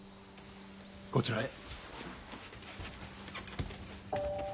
こちらへ。